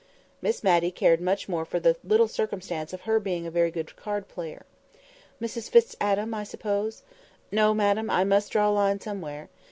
Miss Matty cared much more for the little circumstance of her being a very good card player. "Mrs Fitz Adam—I suppose"— "No, madam. I must draw a line somewhere.